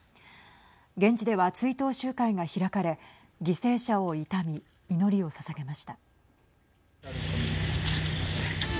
現地では追悼集会が開かれ犠牲者を悼み祈りをささげました。